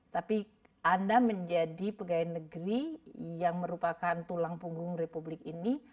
tapi anda menjadi pegawai negeri yang merupakan tulang punggung republik ini